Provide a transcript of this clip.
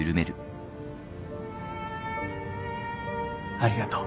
ありがとう。